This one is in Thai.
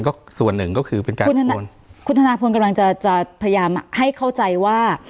ก็ส่วนหนึ่งก็คือเป็นการคุณธนาพลกำลังจะจะพยายามให้เข้าใจว่า